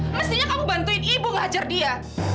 mestinya kamu bantuin ibu ngajar dia